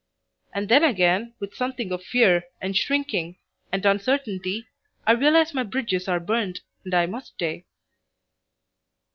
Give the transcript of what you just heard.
And then again with something of fear and shrinking and uncertainty I realize my bridges are burned and I must stay.